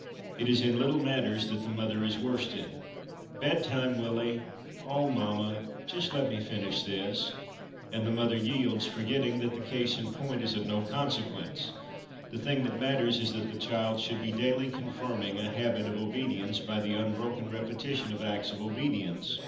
It is in little matters that the mother is worsted. 1 Bedtime, Willie !'' Oh, mamma, just let me finish this '; and the mother yields, forgetting that the case in point is of no consequence ; the thing that matters is that the child should be daily confirming a habit of obedience by the unbroken repetition of acts of obedience.